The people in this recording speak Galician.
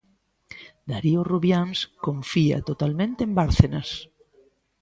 Darío Rubiáns confía totalmente en Bárcenas.